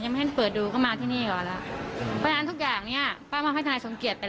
ไม่ใช่อันนี้เป็นฝั่งเขามาอย่างเดียวเลย